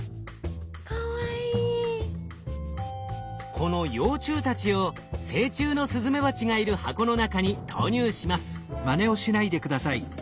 この幼虫たちを成虫のスズメバチがいる箱の中に投入します。